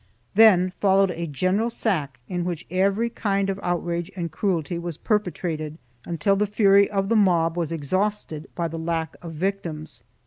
Then followed a general sack in which every kind of outrage and cruelty was perpetrated, until the fury of the mob was exhausted by the lack of victims.